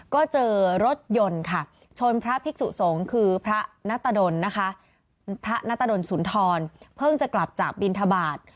ก็เจอรถยนต์ชนพระภิกษุสงก์คือพระนตะดลศุณธรณเพิ่งจะกลับจากบิณฑบาส